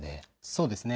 そうですね。